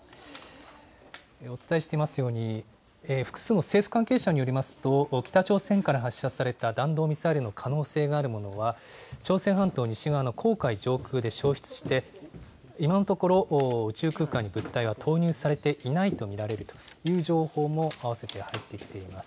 お伝えしていますように、複数の政府関係者によりますと、北朝鮮から発射された弾道ミサイルの可能性があるものは、朝鮮半島西側の黄海上空で消失して、今のところ、宇宙空間に物体は投入されていないと見られるという情報も合わせて入ってきています。